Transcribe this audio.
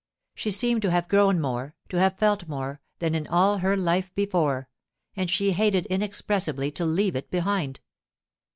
She seemed to have grown more, to have felt more, than in all her life before; and she hated inexpressibly to leave it behind.